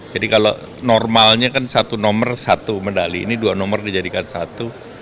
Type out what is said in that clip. jadi kalau normalnya kan satu nomor satu medali ini dua nomor dijadikan satu